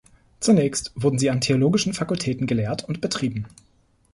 Zunächst wurde sie an theologischen Fakultäten gelehrt und betrieben.